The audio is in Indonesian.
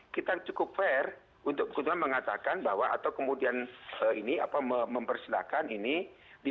kita cukup fair untuk kebetulan mengatakan bahwa atau kemudian ini apa mempersilahkan ini di